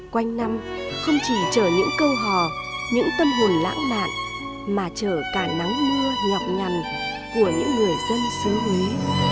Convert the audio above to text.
quanh năm không chỉ chở những câu hò những tâm hồn lãng mạn mà trở cả nắng mưa nhọc nhằn của những người dân xứ hí